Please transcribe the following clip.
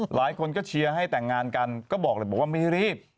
หลายคนก็เชียร์ให้แต่งงานกันก็บอกเลยบอกว่าไม่รีบ